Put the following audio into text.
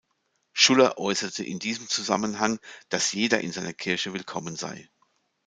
Schuller äußerte in diesem Zusammenhang, dass jeder in seiner Kirche willkommen sei.